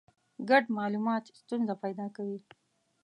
ګډ مالومات ستونزه پیدا کوي.